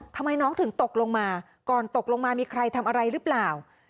ทำไมน้องถึงตกลงมาก่อนตกลงมามีใครทำอะไรหรือเปล่า